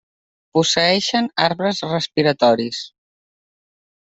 Posseeixen arbres respiratoris.